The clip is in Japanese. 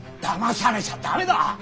だまされちゃ駄目だ！